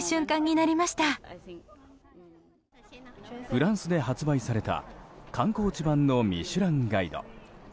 フランスで発売された観光地版の「ミシュランガイド」